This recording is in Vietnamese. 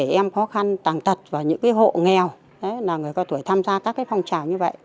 những khó khăn tàng tật và những cái hộ nghèo là người cao tuổi tham gia các cái phong trào như vậy